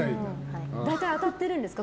当たってるんですか？